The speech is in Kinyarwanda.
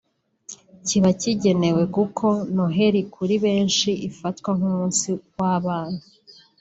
kiba gikenewe kuko Noheli kuri benshi ifatwa nk’umunsi w’abana